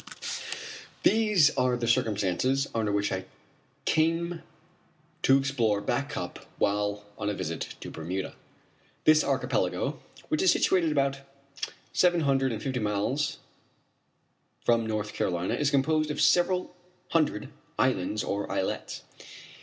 These are the circumstances under which I came to explore Back Cup while on a visit to Bermuda. This archipelago, which is situated about seven hundred and fifty miles from North Carolina is composed of several hundred islands or islets.